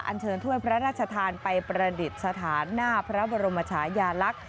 เชิญถ้วยพระราชทานไปประดิษฐานหน้าพระบรมชายาลักษณ์